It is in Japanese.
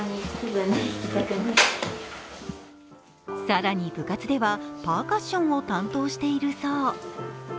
更に部活ではパーカッションを担当しているそう。